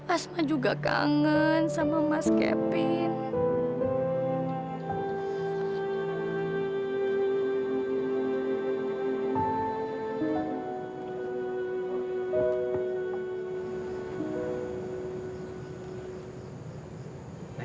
asma juga kangen sama mas kepin